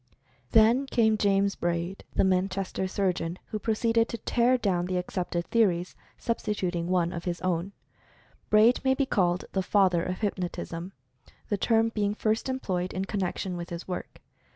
Then came James Braid, the Manchester surgeon, who proceeded to tear down the accepted theories, sub stituting one of his own. Braid may be called the father of "Hypnotism," the term being first employed in connection with his work.